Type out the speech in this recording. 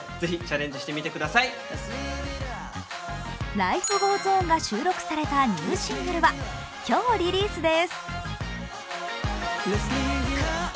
「Ｌｉｆｅｇｏｅｓｏｎ」が収録されたニューシングルは今日リリースです。